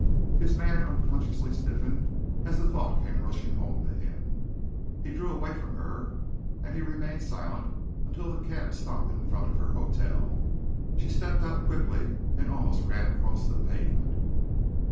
His manner unconsciously stiffened as the thought came rushing home to him. He drew away from her, and he remained silent until the cab stopped in front of her hotel. She stepped out quickly, and almost ran across the pavement.